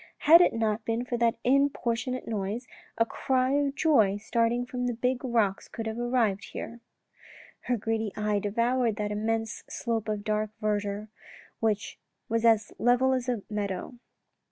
" Had it not been for that importunate noise, a cry of joy starting from the big rocks could have arrived here." Her greedy eye devoured that immense slope of dark verdure which was as level as a meadow.